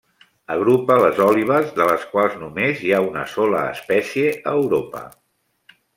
Agrupa les òlibes, de les quals només hi ha una sola espècie a Europa.